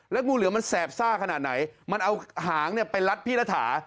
งูเหลือมันแสบซ่าขนาดไหนมันเอาหางไปรัดพี่รัฐา